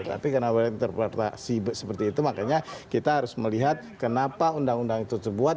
tapi karena interpretasi seperti itu makanya kita harus melihat kenapa undang undang itu terbuat